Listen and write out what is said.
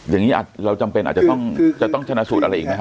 อย่างนี้เราจำเป็นอาจจะต้องชนะสูตรอะไรอีกไหมฮ